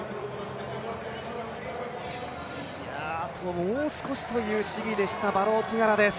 あともう少しという試技でしたバローティガラです。